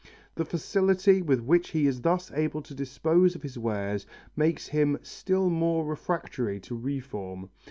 The facility with which he is thus able to dispose of his wares makes him still more refractory to reform.